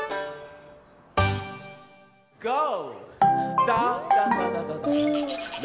ゴー！